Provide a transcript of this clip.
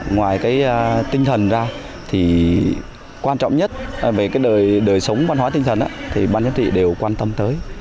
ngoài tinh thần ra quan trọng nhất về đời sống văn hóa tinh thần ban giám thị đều quan tâm tới